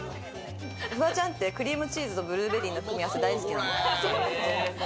フワちゃんってクリームチーズとブルーベリーの組み合わせ大好きなんだよ。